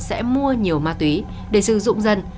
sẽ mua nhiều ma túy để sử dụng dân